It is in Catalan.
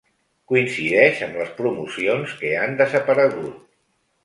Coincideix amb les promocions que han desaparegut.